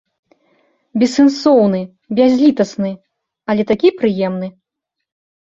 Бессэнсоўны, бязлітасны, але такі прыемны!